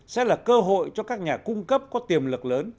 sẽ là cơ hội cho các nhà cung cấp có tiềm lực lớn